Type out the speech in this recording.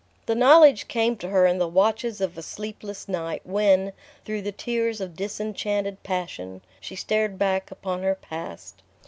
The knowledge came to her in the watches of a sleepless night, when, through the tears of disenchanted passion, she stared back upon her past.